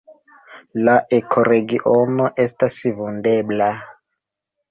La ekoregiono estas vundebla.